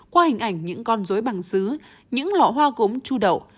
qua hình ảnh những con dối bằng xứ những lõ hoa cống chu đậu